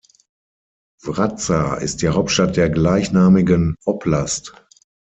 Wraza ist Hauptstadt der gleichnamigen Oblast.